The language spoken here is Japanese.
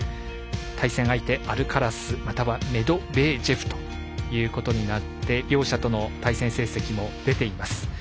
対戦相手、アルカラスまたメドベージェフということになって両者との対戦成績も出ています。